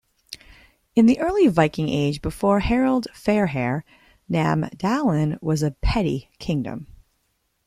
In the early Viking Age, before Harald Fairhair, Namdalen was a petty kingdom.